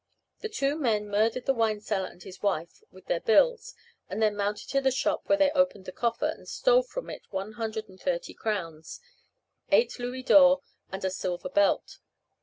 The two men murdered the wine seller and his wife with their bills, and then mounted to the shop, where they opened the coffer, and stole from it one hundred and thirty crowns, eight louis d'ors, and a silver belt.